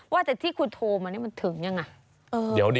ว่าแต่ที่คุณโทรมานี่มันถึงยังไง